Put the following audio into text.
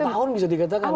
awal tahun bisa dikatakan ya